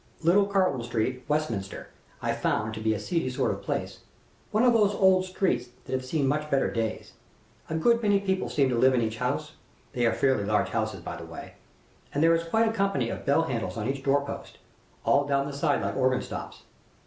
"Little Carton Street, Westminster, I found to be a seedy sort of place one of those old streets that have seen much better days. A good many people seem to live in each house they are fairly large houses, by the way and there is quite a company of bell handles on each doorpost, all down the side like organ stops.